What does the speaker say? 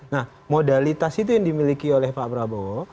nah modalitas itu yang dimiliki oleh pak prabowo